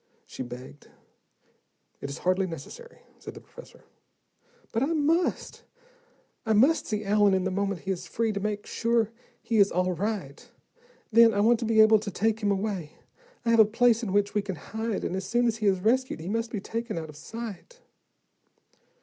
she begged. "It is hardly necessary," said the professor. "But I must. I must see Allen the moment he is free, to make sure he is all right. Then, I want to be able to take him away. I have a place in which we can hide, and as soon as he is rescued he must be taken out of sight."